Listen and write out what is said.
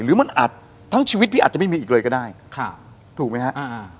หรือมันอาจทั้งชีวิตพี่อาจจะไม่มีอีกเลยก็ได้ค่ะถูกไหมฮะอ่า